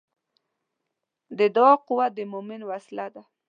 د دعا قوت د مؤمن وسله ده.